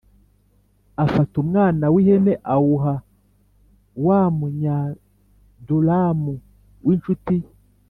afata umwana w’ihene awuha wa Munyadulamu w’incuti ye